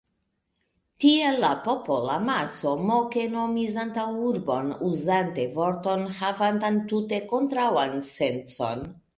Tiel la popolamaso moke nomis antaŭurbon, uzante vorton, havantan tute kontraŭan sencon.